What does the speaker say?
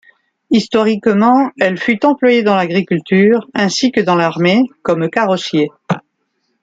Historiquement, elle fut employée dans l'agriculture, ainsi que dans l'armée, comme carrossier.